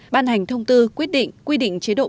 ban hành thông tư quyết định quy định chế độ báo cáo